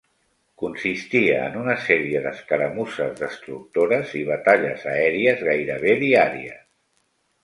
Consistia en una sèrie d'escaramusses destructores i batalles aèries gairebé diàries.